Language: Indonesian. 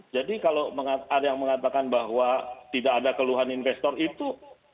kalau ada yang mengatakan bahwa tidak ada keluhan investor itu